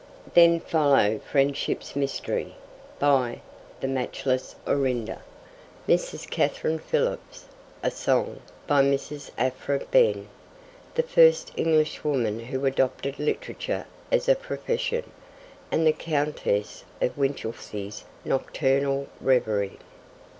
Then follow Friendship's Mystery, by 'The Matchless Orinda,' Mrs. Katherine Philips; A Song, by Mrs. Aphra Behn, 'the first English woman who adopted literature as a profession'; and the Countess of Winchelsea's Nocturnal Reverie.